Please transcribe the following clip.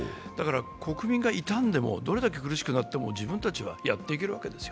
国民が痛んでも、どれだけ苦しくなっても自分たちはやっていけるわけです。